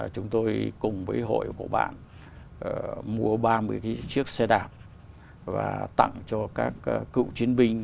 chúng tôi cùng với hội của bạn mua ba mươi chiếc xe đạp và tặng cho các cựu chiến binh